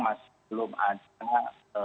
masih belum ada